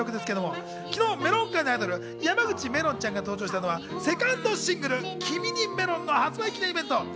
昨日、メロン界のアイドル・山口めろんちゃんが登場したのはセカンドシングル『君にメロン』の発売記念イベント。